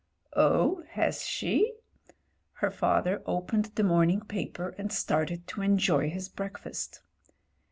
"Oh! has she?" Her father opened the morning paper and started to enjoy his breakfast.